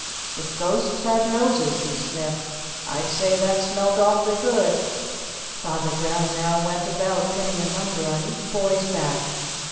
"If ghosts had noses," he sniffed, "I'd say that smelt awfully good." Father Brown now went about, pinning a number on each boy's back.